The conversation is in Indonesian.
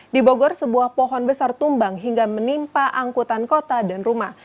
di bogor sebuah pohon besar tumbang hingga menimpa angkutan kota dan rumah